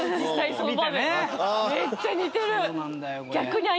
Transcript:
めっちゃ似てる！